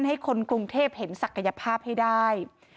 ให้คนกรุงเทพสัขยภาพให้ได้